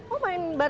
oh main bareng